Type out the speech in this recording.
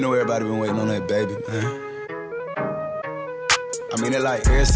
oke selamat pagi selamat siang selamat sore